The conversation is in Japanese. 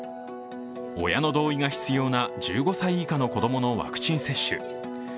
親の同意が必要な１５歳以下の子供のワクチン接種。